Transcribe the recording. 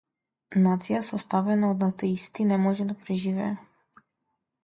Нација составена од атеисти не може да преживее.